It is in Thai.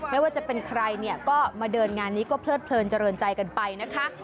ไม่ว่าจะเป็นใครเนี่ยก็มาเดินงานนี้ก็เพลิดเพลินเจริญใจกันไปนะคะ